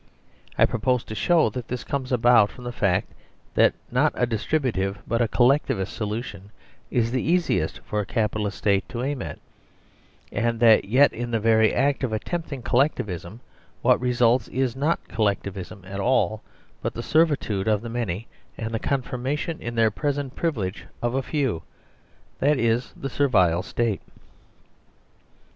I propose to show that this comes about from the fact that not a Distributive but a Collectivist solution is the easiest for a Capitalist State to aim at, and that yet, in the very act of attempting Collectivism, what results is not Collectivism at all, but the servitude of the many, and the confirmation in their present privi lege of the few ; that is, the Servile State.